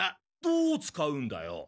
どう使うんだよ？